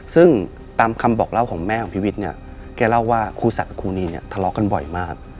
ซึ่งตามคำบอกเล่าของแม่ของพี่วิทย์เนี่ยแกเล่าว่าครูศักดิ์ครูนีเนี่ยทะเลาะกันบ่อยมาก